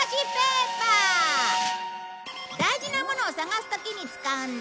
大事な物を探す時に使うんだ。